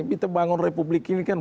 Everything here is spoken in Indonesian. kita bangun republikan